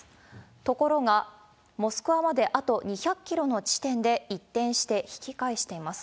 ところが、モスクワまであと２００キロの地点で一転して引き返しています。